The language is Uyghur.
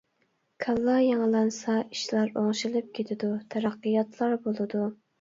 كاللا يېڭىلانسا ئىشلار ئوڭشىلىپ كېتىدۇ، تەرەققىياتلار بولىدۇ.